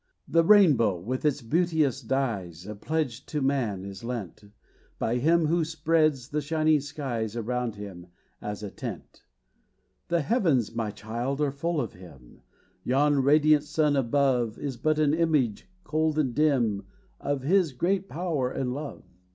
The rainbow, with its beauteous dies, A pledge to man, is lent By him, who spreads the shining skies Around him, "as a tent." The heavens, my child, are full of him! Yon radiant sun above Is but an image, cold and dim, Of his great power and love.